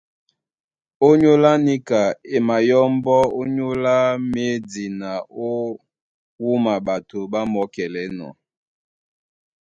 Ónyólá níka, e mayɔ́mbɔ́ ónyólá médi na ó wúma ɓato ɓá mɔ́kɛlɛ́nɔ̄.